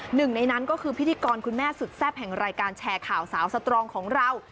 หนึ่งในนั้นก็คือพิธีกรคุณแม่สุดแซ่บแห่งรายการแชร์ข่าวสาวสตรองของเรา